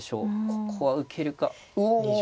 ここは受けるかおっと。